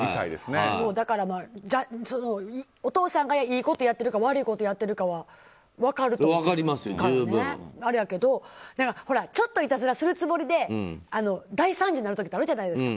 だからお父さんがいいことやっているか悪いことやっているかは分かると思うから、あれやけどほら、ちょっといたずらするつもりで大惨事になるときってあるじゃないですか。